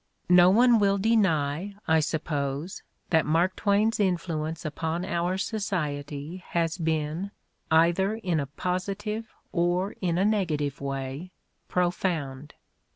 No one will deny, I suppose, that Mark Twain's influence upon our society has been, either in a positive or in a negative way, profound.